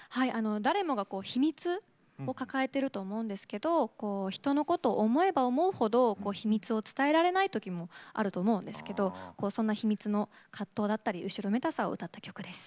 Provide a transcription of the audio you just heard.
誰もが秘密を抱えてると思うんですけど人のことを思えば思うほど秘密を伝えられないときもあると思うんですけどそんな秘密の葛藤だったり後ろめたさを歌った曲です。